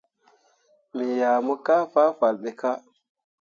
Me yah mo kah fahfalle ɓe kah.